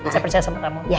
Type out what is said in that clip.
saya percaya sama kamu